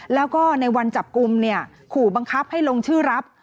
แล้วก็ในวันจับกลุ่มเนี่ยขู่บังคับให้ลงชื่อรับ